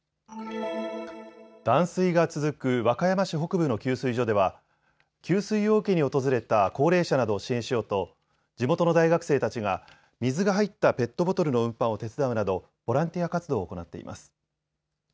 断水が続く和歌山市北部の給水所では給水を受けに訪れた高齢者などを支援しようと地元の大学生たちが水が入ったペットボトルの運搬を手伝うなどボランティア活動を行っています。